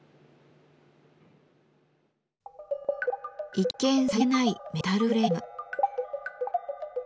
一見さりげないメタルフレーム。